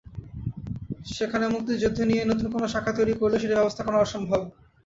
সেখানে মুক্তিযুদ্ধ নিয়ে নতুন কোনো শাখা তৈরি করলেও সেটির ব্যবস্থাপনা করা অসম্ভব।